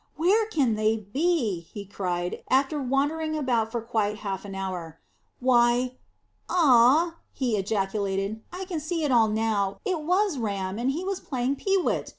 "Where can they be?" he cried, after wandering about for quite half an hour. "Why! Ah!" he ejaculated. "I can see it all now. It was Ram, and he was playing peewit.